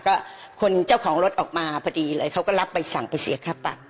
ก็คนเจ้าของรถออกมาพอดีเลยเขาก็รับใบสั่งไปเสียค่าปรับ